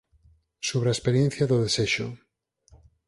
Sobre a experiencia do desexo